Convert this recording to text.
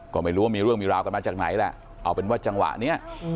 ก็ไม่รู้ว่ามีเรื่องมีราวกันมาจากไหนแหละเอาเป็นว่าจังหวะเนี้ย